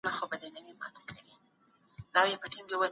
د جرګي په بهیر کي به امنیتي تدابیر نیول سوي وو.